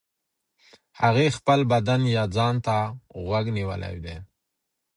هغې خپل بدن يا ځان ته غوږ نيولی دی.